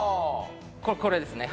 これですね。